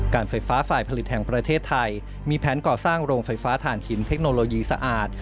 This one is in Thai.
ไฟฟ้าฝ่ายผลิตแห่งประเทศไทยมีแผนก่อสร้างโรงไฟฟ้าฐานหินเทคโนโลยีสะอาด